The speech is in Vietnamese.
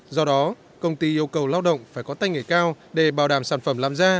do đó công ty yêu cầu lao động phải có tay nghề cao để bảo đảm sản phẩm làm ra